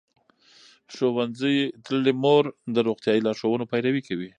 ښوونځې تللې مور د روغتیايي لارښوونو پیروي کوي.